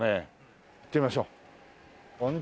行ってみましょう。